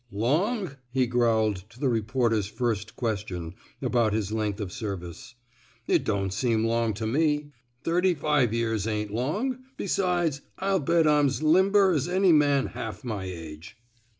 '* Long? *' he growled to the reporter's first question about his length of service. It don't seem long to me. Thirty five years ain't long. Besides I'll bet I'm 's limber 's any man half my age."